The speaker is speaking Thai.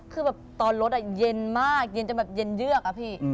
คือแบบตอนรถเย็นมากเย็นจนแบบเย็นเยือกอะพี่